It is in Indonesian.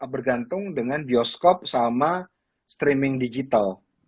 bergantung dengan bioskop sama streaming digital